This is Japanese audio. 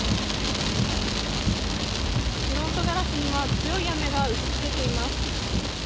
フロントガラスには、強い雨が打ちつけています。